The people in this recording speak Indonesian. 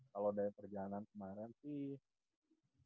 kalau dari perjalanan kemarin sih